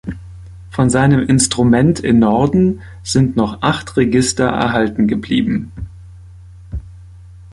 Von seinem Instrument in Norden sind noch acht Register erhalten geblieben.